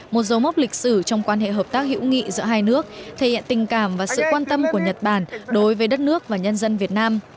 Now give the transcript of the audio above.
một dấu mốc lịch sử trong quan hệ hợp tác hữu nghị giữa hai nước thể hiện tình cảm và sự quan tâm của nhật bản đối với đất nước và nhân dân việt nam